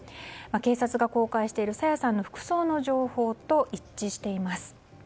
警察が公開している朝芽さんの服装の情報と一致しています。